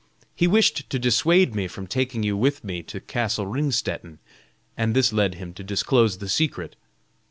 He wished to dissuade me from taking you with me to castle Ringstetten, and this led him to disclose the secret."